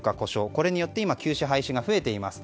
これによって今、休止・廃止が増えています。